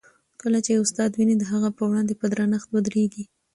کله چي استاد وینئ، د هغه په وړاندې په درنښت ودریږئ.